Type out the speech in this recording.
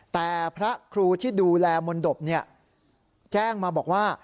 แต่พระครูที่ดูแลมนตบแจ้งมาบอกว่า